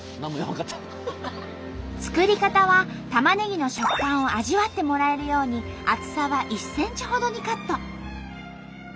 作り方はたまねぎの食感を味わってもらえるように厚さは１ｃｍほどにカット。